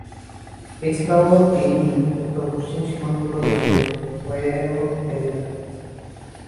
এছাড়াও তিনি উত্তর-পশ্চিম সীমান্ত প্রদেশের হয়েও খেলে থাকেন।